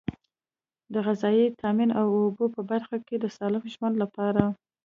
د غذایي تامین او اوبو په برخه کې د سالم ژوند لپاره.